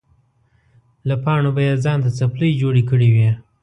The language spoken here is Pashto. له پاڼو به یې ځان ته څپلۍ جوړې کړې وې.